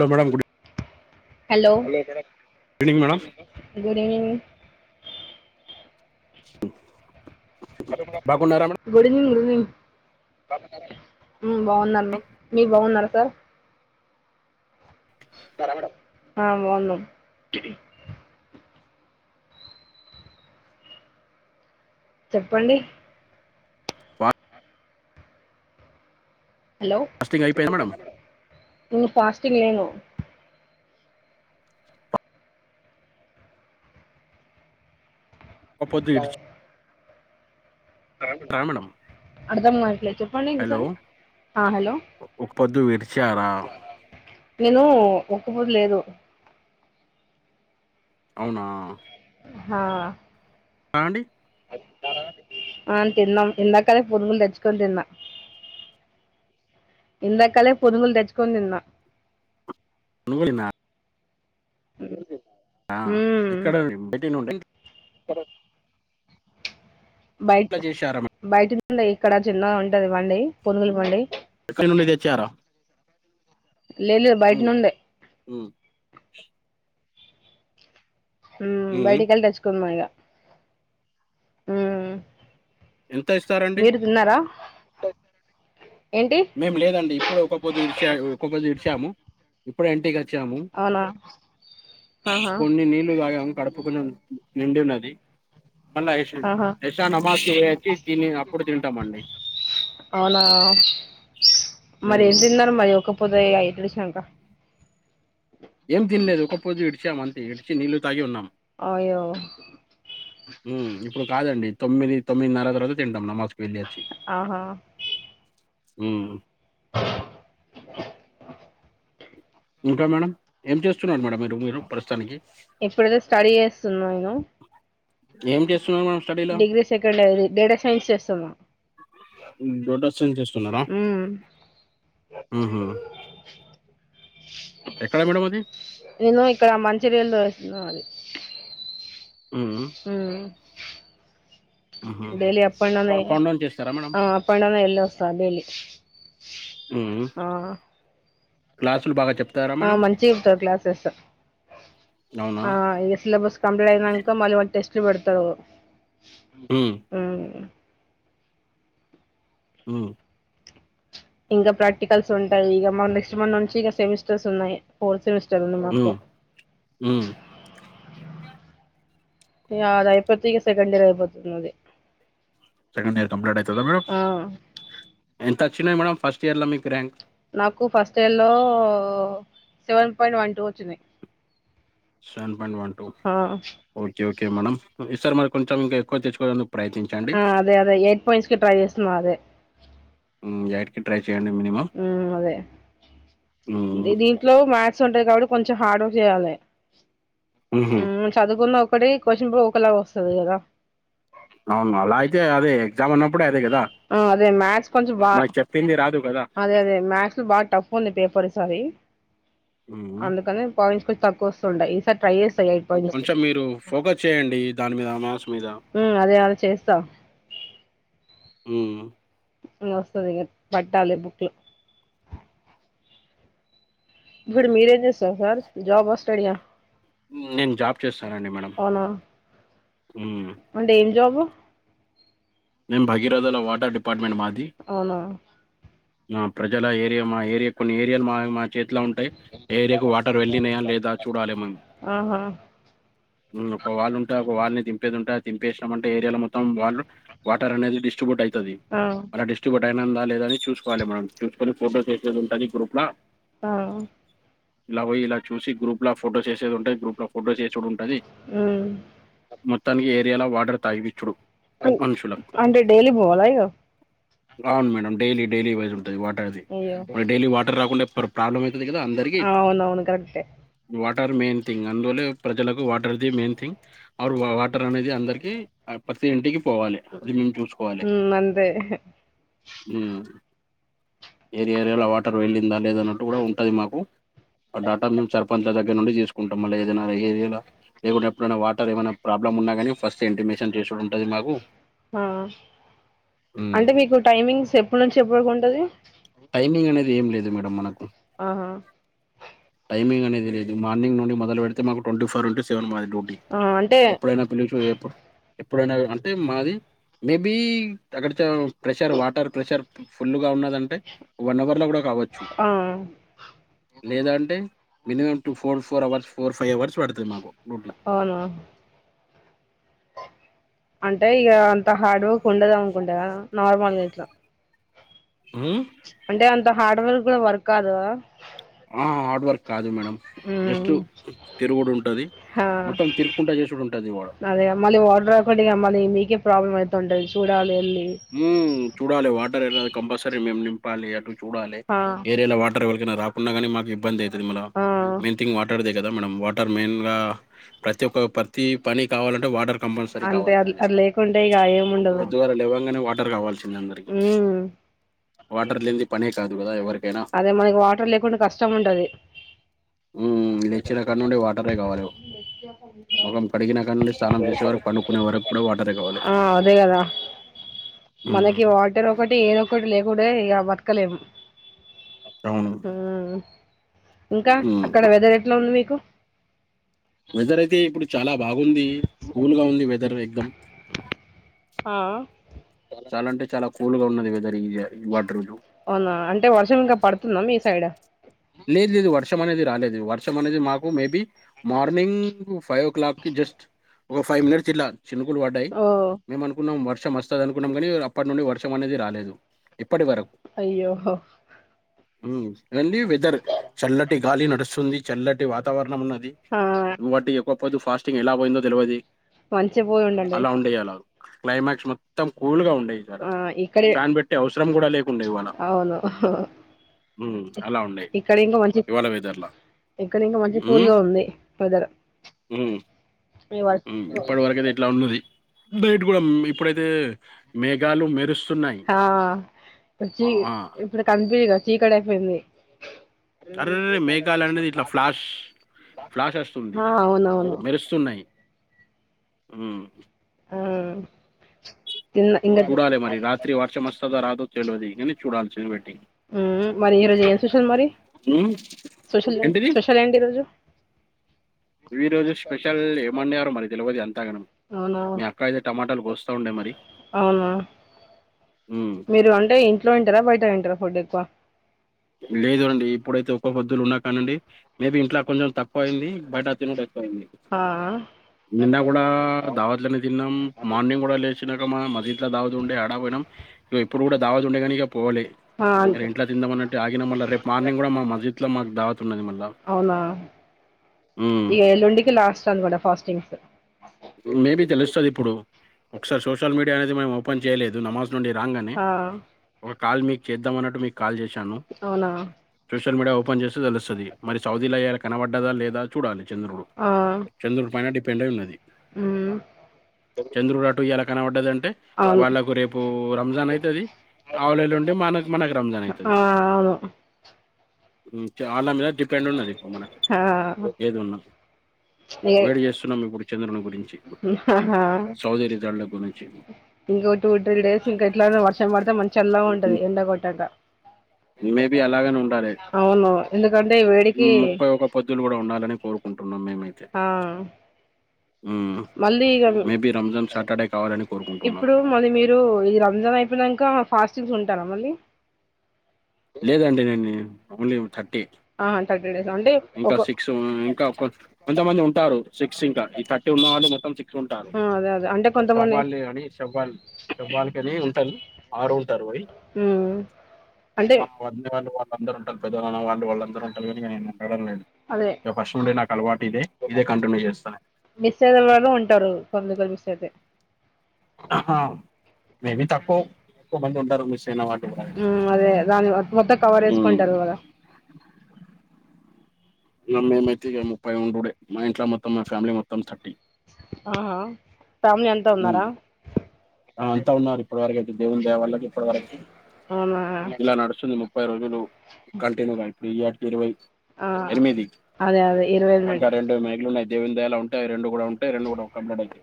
Hello madam good hello hello madam good evening madam good evening ఉ good evening good evening బాగున్నారా madam మ్మ్ బాగున్నాను మీరు బాగున్నారా సార్ ఆ బాగున్నారా చెప్పండీ వా హలో ఫాస్టింగ్ అయిపోయిందా మేడం నేన్ ఫాస్టింగ్ లేను ఒక్క పొద్దు ఇడిచి హలో అర్థం గావట్లే చెప్పండి హలో ఇంకొసారి ఆ హలో ఒక పొద్దు విడిచారా నేనూ ఒక్కప్పుర్ లేదు అవునా ఆ ఆ అండి అ తిన్నాం ఇందాకలే పునుగులు తెచ్చుకొని తిన్నా ఇందాకలే పునుగులు తెచ్చుకొని తిన్నా పునుగులు తిన్నా [unintelligible] ఆ ఇక్కడ బయటినే ఉంటయి. సరే బయట్ ఎట్లా చేశారా మేడం బయటిని ఉంది ఇక్కడ చిన్నగా ఉంటది బండి పునుగులు బండి ఎక్కడ నుండి తెచ్చారా లే లేదు బయటి ఉమ్, నుండే ఉమ్, హ్మ్ ఉమ్. బయటికెల్లి తెచ్చుకున్నాం ఇగా హ్మ్ ఎంత ఇస్తారండి ఏంటి మేము లేదండి ఇప్పుడు ఒక పొద్దు ఇడిచా ఒక పొద్దు ఇడిచాము ఇప్పుడే ఇంటికేల్ వచ్చాము అవునా ఆహా కొన్ని నీళ్లు తాగాము కడుపు కొంచెం నిండి ఉన్నది మళ్ళా యాష్ ఆహా యషా నమాజ్ కి పోయచ్చి అప్పుడు తింటామండి. అవునా మరి ఎం ఉమ్. తిన్నారు మయ్ ఒక పొద్దు అయి ఇడిశినంక ఏం తినలేదు ఒక పొద్దు ఇడిచామంతే ఇడిచి నీళ్ళు తాగి ఉన్నాం. అయ్యో హ్మ్ ఇప్పుడు కాదండి. తొమ్మిది తొమ్మిదిన్నర తరవాత తింటాం నమాజ్ ఆహా హ్మ్ ఇంకా మేడం ఏం చేస్తున్నారు మేడం మీరు మీరు ప్రస్తుతానికి? ఇప్పుడైతే స్టడీ చేస్తున్నా నేను ఏం చేస్ డిగ్రీ సెకండ్ ఇయర్ ఇది డేటా సైన్స్ చేస్తున్నా, డేటసైన్స్ చేస్తున్నారా మ్మ్ ఆహా నేను ఇక్కడ మంచిర్యలొ చేస్తున్నా [inaudible] హ్మ్. ఊ హుహు. Daily up and down down చేస్తారా మేడం? ఆ అప్ అండ్ డౌన్ వెళ్ళొస్తా డైలీ హ్మ్. క్లాసులు బాగా చెప్తారా ఆ మేడం? మంచి గా చెప్తారు క్లాసెస్ అవునా? ఆ ఇ సిలబస్ కంప్లీట్ అయినాక మళ్ళీ టెస్ట్ టెస్ట్ పెడుతారు హ్మ్. ఊ ఉ ఇంకా ప్రాక్టికల్స్ ఉంటాయి ఇక నెక్స్ట్ మంత్ నుంచి ఇక సెమిస్టర్స్ ఉన్నాయి ఫోర్త్ సెమిస్టర్ సెమిస్టర్ మాకు హ్మ్. హ్మ్. ఇక అది అయిపోతే ఇగ సెకండ్ ఇయర్ అయిపోతుంది నాది సెకండ్ ఇయర్ కంప్లీట్ అవుతుందా మేడం ఎంత వచ్చినాయి మేడం ఫస్ట్ ఫస్ట్ ఇయర్లో మీకు ర్యాంకు నాకు ఫస్ట్ ఇయర్ లో సెవెన్ పాయింట్ వన్ టూ వచ్చింది seven point one two okay okay madam ఈసారి మరి కొంచెం ఇంకా ఎక్కువ తెచ్చు ఆ అదే అదే ఎయిట్ పాయింట్స్ కి ట్రై చేస్తున్నా అదే హ్మ్. ట్రై చేయండి మినిమమ్. ఊ అదే హ్మ్. దీంట్లో మ్యా మ్యాథ్స్ ఉంటాయి కాబట్టి కొంచెం కాబటి కొంచెం హార్డ్ వర్క్ చేయాలి హుహు. ఊ చదువుకున్న అప్పుడే క్యూస్షన్ బుక్ ఒకలా వస్తుంది కదా అవును అలా అయితే అదే ఎగ్జామ్ అన్నప్పుడే అదే కదా అదే మ్యాథ్స్ కొంచెం బాగా రాదు కదా! అదే అదే మ్యాథ్స్ బాగా టఫ్ ఉంది పేపర్ ఈసారి [inaudible] హ్మ్. అందుకని పవించకొ తక్కువ వస్తుండాయి ఈసారి ట్రై చేస్త కొంచెం మీరు ఫోకస్ చేయండి దాని మీద మ్యాథ్స్ మీద ఉ అదే అద చేస్తా ఆ వస్తుది పట్టాలి బుక్కులో ఇప్పుడు మీరేం చేస్తారు సార్ జాబ్ వస్తడీగా నేను జాబ్ చేస్తానండి మేడం అంటే ఏం జాబు నిమ్ భగగిరదా వాటర్ డిపార్ట్ అపమెట్ మాది అవునా ప్రజల ఏరియా మా ఏరియా కొన్ని ఏరియాలు మా మా చేతిలో ఉంటాయి ఏరియాకు వాటర్ వెళ్లినయా లేదా చూడాలి మేము ఆహా ఒక వాళు ఉంటే ఒకళ్ళని టా తిపేస్తామంటే ఏరియా మొత్తం వాళ్ళు వాటర్ అది డిట్రిబ్యట్యితే ది ఆ అ డిస్టబట్ ప్రైనందా లేదని చూసుకోవాలి మనం చూసుకొని ఫోటో వేసేది ఉంటాంది గ్రూప్ లో ఆ ఇలా పోయి ఇలా చూసి గ్రూప్ లో ఫో వే ఉంటే గ్రూప్ లో ఫోటోస్ చ అది ఉమ్ మొత్తానికి ఏ లా వాడర్ తాగివిచ్చుడు అంటే లీ బోలయి అవును మేడం డైలీ డైలీ వైజ ఉంట వాటర్ది మన డైలీ వాటర్ రాకుండా కాలలో అవున అవును కరెక్ ఆర్ మెయిన్ థింగ్ అందులో ప్రజలకు వాట ది మెయిన్థింగ్ ఆర్ వాటర్ అనేది అందరికి ప్రతి ఇంటికి కోవాలి అది మేను చూసుకోవాలి ఉమ్ అంతే ఏరి ఏరియాలో వాటర్ వెలి ఉందా లేదన్నట్టు కూడా ఉంటుంది. మాకు ఆ డాటా మేము సర్పంచ్ల దగ్గర నుండి తీసుకుంటాం. మళ్ళీ ఏదైనా ఏయా లేకుడా ఎప్పుడైనా వాటర్ ఏమైనా ప్రాబ్లమ్ ఉన్నాగానీ ఫస్ట్ ఎంటిమేషన్ చేసి ఉంటుంది మాకు. హ ఉమ్, అంటే మీకు టైమింగ్స్ ఎప్పటి నుంచి ఎప్పటికు ఉంటుంది. టైమింగ్ అనేది ఏం లేదు మేడమ్ మనకు ఆహా టైమింగ్ అన్నేది లేదు. మార్నింగ్ నుండి మొద పెడితే మాకు ట్వీ ఫోర్ ఇంట సెన్ మది డ్యూటీ ఆ అంటే ఎప్పుడ ఏన పిలి చ ఏప్పుడు ఎప్పుడుయినా అ మాది మేబి అక్కడ చ ప్రెషర్ వాటర్ ప్రెషర్ ఫుల్ గా ఉన్న దంటే వన్ అవర్ లో కూడా కావచ్చు ఆ లేదా అంటే మినిమమ్ టు ఫో ఫోర్ అవర్స్ ఫోర్ అవర్స్ డుతు మాకు రూటి అవును అంటే ఇక అంత హార్డ్ వర్క్ ఉండదు. అనుకుంటే కదా నార్మల్ గట్లా ఉమ్, అంటే అంత హార్డ్ వర్క్ కూడా వర్క్ కాదా ఆ హార్డ్ వర్క్ కాదు మేడం జస్ట్ ఉమ్ తిరుగుడుంటది. ఆ మొత్తం తిరుక్కుంటా చేసిడుంటది వాడ అదే మళ్ళీ తొంటది చూడాల్లేల్లి హుమ్ చూడాలి వాటర్ ఎలా కంపల్సరీ ఏమేమ్ నింపాలి అటు చూడాలి ఆ ఏరేలా వాట్ టర్ ఎవల్లకైనా రాకున్నా గాని మాకు ఇబ్బంది తది మళ్లా ఆ మెయిన్ థింగ్ వాటర్ ది అయి త్ కదా మేడమ్ వాటర్ మెయిన్ గా ప్రతి ఒక ప్రతి పని కావాలంటే వాటర్ కంపల్సరీ అంతే కావాల్సిందే అంతలేకుంటే ఇగ ఏముండదు. పొద్దుగాల లేవగానే వాటర్ కావాలిస్ సిందే అందరికి ఉమ్ వాటర్ లేన్ది పనే కాదు. కదా ఎవర్క్ ఏనాఫ్ అదే మనకి వాటర్ లేకుండా కష్టం ఉంటది ఉమ్ లేచ్చిన కాడ్నుండి వాటరే కావాలి. ముఖం కడిగిన కాడా నుండి స్నానం జేసే వరకు, పండుకునే వరకు కూడా వాటరే కావాలి. ఆ అదే కదా మనకి మ్మ్, వాటర్ ఒకటి ఏదోక్కటి లేకుంటే ఇగ బతక్ క లేము అవును ఉమ్ ఇంకా మ్మ్. అక్కడ వెదరేట్లా ఉంది మీకు వెదరైయితే ఇప్పుడు చాలా బాగు ఉంది కూల్గా ఉంది. వెదర్ ఎక్దామ్ ఆ చాలా అంటే చాలా కూల్గా ఉన్నది వెదర్ ఈ య ఈ వాల్టి రోజు అవునా అంటే వర్షం ఇంకా పడ్తుందా మీ సైడ్ లేదు లేదు వర్షం అనేది రాలేదు వర్షం అనేది మాకు maybe morning five o'clock కి జస్ట్ ఒక ఫైవ్ మినిట్స్ ఇట్లా చినుకులు వడ్డాయ్ ఓ మేము అనుకున్నామ్ వర్ వర్షం వస్తదనుకున్నమ్ గానీ అప్పటి నుండి వర్షమనేది రాలేదు ఇప్ ఇప్పటివరకు అయ్యో ఉమ్ అన్ని వె సరే చల్లటి గాలి నడుస్తుంది. చల్లటి వాతావర్ణం ఉన్న ఆ వాటి ఒక్కపొద్దు ఫాస్ట్ స్టింగ్ ఎలా పోయిందో తెల్వది. మంచిగాపోయి ఉండండి. క్లైమాక్స్ మొత్తం కూల్గా ఉం ఆ ఇక్కడే ఫ్యాన్ పెట్టే అవసరం గుడా లేకుండే ఇవాళ అవును ఉమ్ అలా ఉండే ఇక్కడ ఇంకా మంచి ఇక్కడ ఇంకా మంచి హ్మ్. కూల్గా ఉంది వెదర్ ఈ వ మ్ ఇప్పటి వరకయితే ఇట్ల ఉన్నది బైట కూడా మే ఇప్పుడతే మేఘాలు మెరుస్ హ జి ఆ! ఇప్పుడు కనిపియదుగా చీ చీకటై పోయింది. అర్రే మేఘాలనేది ఇట్లా ఫ్లాష్ ఫ్లాష్ వస్తుంది. ఆ అవునవును మెరుస్తున్నాయి. ఉమ్ మ్ చూడాలి మరి రాత్రి వర్ష మస్ స్తదో రాదో తెల్వది కానీ చూడాల్సిన మ్ మరి ఈ రోజు ఏ స్పెషల్ మరి హ్మ్. స్పెషల్ స్పెషల్ ఏంటి ఈరోజు ఈ రోజు స్పెషల్ ఏమండారో మరి తెల్వది అం అవునా కోస్తా ఉండే మరి. అవునా హ్మ్. మీరు అంటే ఇంట్లో తింటరా బయట తింటరా ఫుడ్ ఎక్కువ లేదు అండి ఇప్పుడైతే ఒక పొద్దులు ఉన్న కాడ్నుండి మే బి ఇంట్ల కొంచెం తక్కవయింది. బయట తినుడు ఎక్కవ ఆ నిన్న కూడా దావత్లనే తిన్నాం. మార్నింగ్ గుడా లేచినాక మా మర్ది ఇంట్ల దావతు ఉండే ఆడా పోయినం. ఇగో ఇప్పుడు కూడా దావతు ఉండే కానీ ఇగ పోలే ఆ ఇయల ఇంట్ల తిందామ అన్న అగిన మళ్ళ రేపు మార్నింగ్ కూడా మా మస్జిద్ లో మాకు దావతు ఉన్నది మళ్ళా హ్మ్. ఇగ ఎల్లుండికి లాస్ట్ అన్నమాట ఫాస్టింగ్స్ మే బి తెలుస్తది ఇప్పుడు ఒకసారి సోషల్ మీడియా అనేది మేము పంచేయలేదు నమాస్ నుండి రాంగనే ఆ కాల్ మీకు చేద్దామన్నట్టు మీక్ కాల్ చేశాను అవునా సోషల్ మీడియా ఓపెన్ చేస్తే తెలుస్తది మరి సౌదిల ఇయాల కనపడ్డదా లేదా చూడాలి చంద్రుడు ఆ చంద్రుడు పైన డిప్ పెండే ఉన్నది మ్మ్ చంద్రుడు అటు ఇయాల కనపడ్డదంటే అవును వాళ్ళకు రేపు రంజాన్ అయితది ఆవులెల్లుండి మనకు మనకు రంజాన్ అయితది ఆ అవును మ్మ్ ఆళ్ళ మీద డిపెండ్ ఉన్నది ఇప్పుడు మనకు ఆ ఏది ఉన్నా ఏ వేడి చేస్తున్నాం ఇప్పుడు చంద్రుని గురించి ఆహా సౌదిరి దాన్ల గురించి ఇంకో టూ త్రీ డేస్ ఇంకా ఎట్లా వర్షం పడితే మంచిల్లా ఉంటది ఎండ కొట్టక మేబి అలాగనే ఉండాలి అవును ఎందుకంటే ఈ వేడికి మ్మ్ ముప్పై ఒక పద్దులు కూడా ఉండాలని కోరు ఆ హ్మ్. మళ్ళీ ఇగ మేబీ రంజాన్ సాటర్డే కావాలని కోరుకుంటున్నాం. ఇప్పుడు మళ్ళీ మీరు ఇది రంజాన్ అయిపోయినంక ఫాస్టింగ్స్ ఉంటా టారా మళ్ళీ లేదండి నేన్ని అమూల్యం థర్టీ ఆహా థర్టీ డేస్ అంటే ఇంకా ఒక సిక్స్ మ్ ఇంకా కొ కొంతమంది ఉంటారు. సిక్స్ ఇంకా ఈ థర్టీ ఉన్నవాళ్ళు మొత్తం సిక్స్ ఉంటారు. ఆ అదే అదే అంటే చెవవాళు కొంతమంది సేప్పాలి, అని సేప్పాలి సేప్పాలికని ఉంటావ్ ఆరు ఉంటారు. వై మ్మ్ [unintelligible] అంటే [unintelligible] అందరు ఉంటారు వాళ్ళు వాళ్ళందరూ ఉంటారు కాని ఇగ నేను అడగలేను లేదు అదే ఇగ ఫస్ట్ నుండి నాకు అలవాటు ఇదే ఇదే కంటిన్యూ చేస్తాను మిస్ అయిన వాళ్ళు ఉంటారు కొందరు మిస్ అయితే ఆహా మేబీ తకౌవ్ కో మంది ఉంటారు మిస్స్ ఉమ్ అదే దాన్ మొత్తం కవర్ హ్మ్. ఏసుకుంటరు కదా మేమైతే ఇగ ముప్పై ఉండుడే మా ఇంట్లో మొత్తం మా ఫ్యామిలీ మొత్తం థర్టీ ఆహా ఫ్యామిలీ అంతా ఉమ్ ఉన్నారా అంతా ఉన్నరు ఇప్పటివరకై దేవున్ దయా వల్ల ఇప్పడ్ వరకి అవునా ఇలా నడుసుందేమో ముప్పై రోజులు కంటిన్యూగాన్ వేయ్ ఆట్ కి ఇరవై ఆ అదే అదే ఇరవైమే డే దేవున్ దయాలా ఉంటయ్ రెండు గుడా ఉంటాయ్ రొండు గుడా కమ్ లా డైతే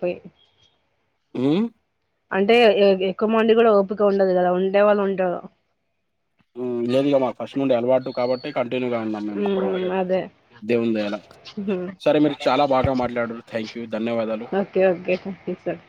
పోయి మ్మ్ అంటే ఎక్కువ మంది కూడా ఓపిక ఉండదు కదా ఉండే వాళ్ళు ఉంటారు మ్మ్ లేదులే మాకు ఫస్ట్ నుండి అలవాటు కాబట్టి కట్ తేనుగ ఉన్నం మేము ఇప్పడ్ మ్మ్ వరకైతే దేవున్ దయాల అదే సరే మీరు చాలా బాగా మాట్లాడుర్ థ్యాంక్ యూ ధన్యవాదాలు okay okay sir yes sir